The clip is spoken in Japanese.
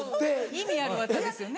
意味ある綿ですよね。